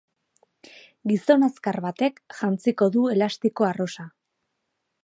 Gizon azkar batek jantziko du elastiko arrosa.